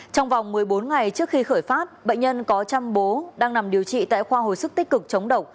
trong vòng một mươi bốn ngày trước khi khởi phát bệnh nhân có trăm bố đang nằm điều trị tại khoa hồi sức tích cực chống độc